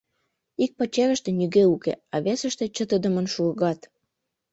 Ик пачерыште нигӧ уке, а весыште чытыдымын шургат.